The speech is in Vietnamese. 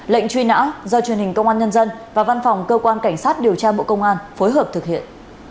lệnh truy nã do truyền hình công an nhân dân và văn phòng cơ quan cảnh sát điều tra bộ công an phối hợp thực hiện